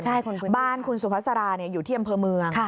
ใช่คุณคุณสุภาษาบ้านคุณสุภาษาอยู่ที่อำเภอเมือง